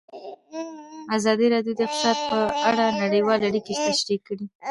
ازادي راډیو د اقتصاد په اړه نړیوالې اړیکې تشریح کړي.